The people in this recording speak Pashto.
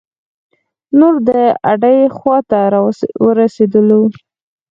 نور د اډې خواته را ورسیدلو.